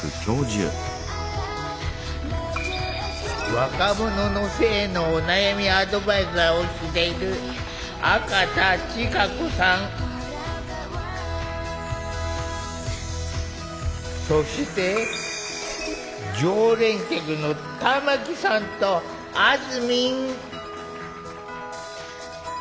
若者の性のお悩みアドバイザーをしているそして常連客の玉木さんとあずみん。